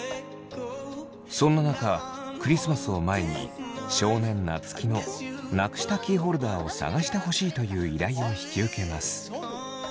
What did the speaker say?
そんな中クリスマスを前に少年夏樹のなくしたキーホルダーを探してほしいという依頼を引き受けます。